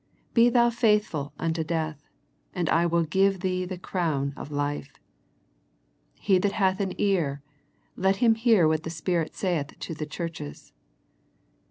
Be thou faithful unto death, and I will give thee the crown of life. He that hath an ear, let him hear what the Spirit saith to the churches.